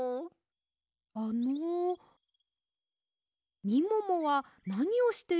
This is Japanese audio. あのみももはなにをしているんですか？